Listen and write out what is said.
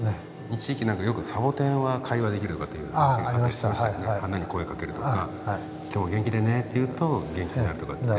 一時期サボテンは会話できるとかって話があって花に声をかけるとか「今日も元気でね」って言うと元気になるとか。